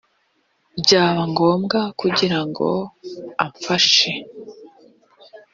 byaba ngombwa kugira ngo afashe